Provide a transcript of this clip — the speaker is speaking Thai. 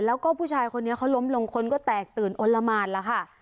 แล้วก็ผู้ชายคนนี้เขาล้มลงคนก็แตกตื่นอ้นละหมานแล้วค่ะ